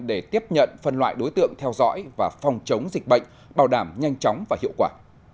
để tiếp nhận phân loại đối tượng theo dõi và phòng chống dịch bệnh bảo đảm nhanh chóng và hiệu quả